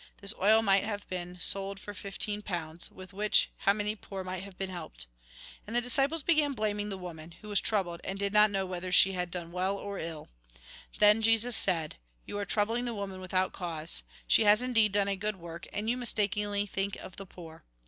This oil might have been sold for fifteen pounds, with which, how many poor might have been helped !" And the disciples began blaming the woman ; who was troubled, and did not know whether she had done well or ilk Then Jesus said :" You are troubling the woman without cause. She has, indeed, done a good work, and you mistakenly think of the poor.